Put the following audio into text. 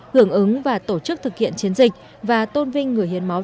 hưởng ứng và tổ chức thực hiện chiến dịch và tôn vinh người hiến máu